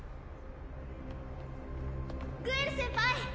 ・グエル先輩。